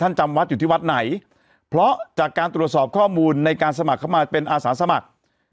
จำวัดอยู่ที่วัดไหนเพราะจากการตรวจสอบข้อมูลในการสมัครเข้ามาเป็นอาสาสมัคร